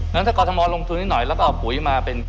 ถ้ากดธรรมดณ์ลงจุนนี่หน่อยเราก็เอาปุ๋ยมาเป็น